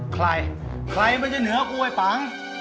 ใครใครมันจะเหนือกูไอ้ปัง